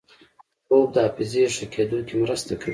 خوب د حافظې ښه کېدو کې مرسته کوي